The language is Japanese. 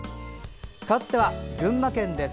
かわっては群馬県です。